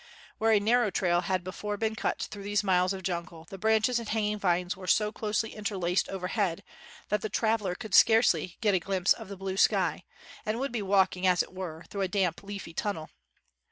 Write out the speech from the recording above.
"Where a narrow trail had before been cut through these miles of jungle, the branches and hanging vines were so closely interlaced overhead that the traveler could scarcely get a glimpse of the blue sky, and would be walking, as it were, through a damp, leafy tunnel.